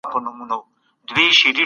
ذهن آرام وي، کار ښه ترسره کېږي.